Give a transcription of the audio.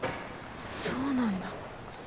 そうなんだ。